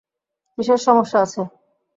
কীসের সমস্যা আছে?